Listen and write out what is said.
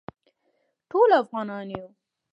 ټول افغانان یو